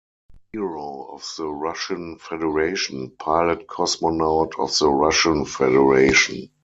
Hero of the Russian Federation, Pilot-Cosmonaut of the Russian Federation.